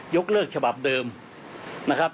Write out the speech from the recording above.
กเลิกฉบับเดิมนะครับ